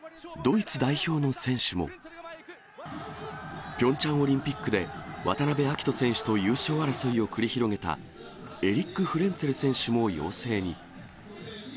ドイツ代表の選手も、ピョンチャンオリンピックで、渡部暁斗選手と優勝争いを繰り広げたエリック・フレンツェル選手も要請に。